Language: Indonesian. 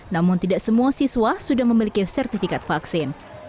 namun tidak semua siswa sudah memiliki sertifikat vaksin